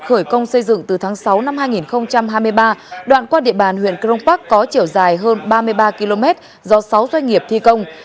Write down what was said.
khởi công xây dựng từ tháng sáu năm hai nghìn hai mươi ba đoạn qua địa bàn huyện crong park có chiều dài hơn ba mươi ba km do sáu doanh nghiệp thi công